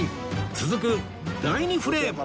続く第２フレーム